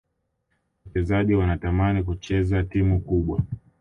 wachezaji wanatamani kucheza timu kubwa